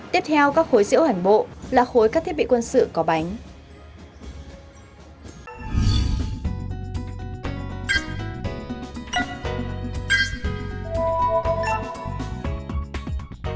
tiếp theo các khối diễu hành bộ là khối các thiết bị quân sự có bánh